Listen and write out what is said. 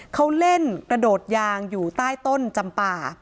เขาเล่นกระโดดยางอยู่ใต้ต้นจำป่า